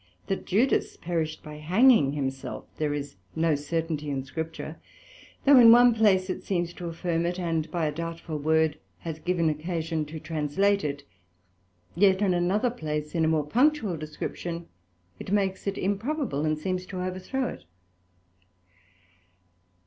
That Judas perished by hanging himself, there is no certainty in Scripture: though in one place it seems to affirm it, and by a doubtful word hath given occasion to translate it; yet in another place, in a more punctual description, it makes it improbable, and seems to overthrow it.